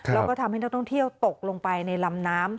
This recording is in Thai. แล้วก็ทำให้นักท่องเที่ยวตกลงไปในลำน้ำ